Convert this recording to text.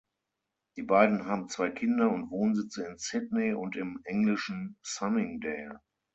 Die beiden haben zwei Kinder und Wohnsitze in Sydney und im englischen Sunningdale.